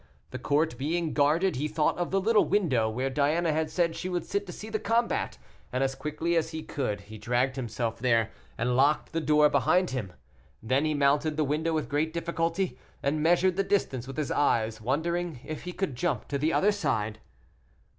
The court being guarded, he thought of the little window, where Diana had said she would sit to see the combat, and as quickly as he could he dragged himself there, and locked the door behind him; then he mounted the window with great difficulty, and measured the distance with his eyes, wondering if he could jump to the other side.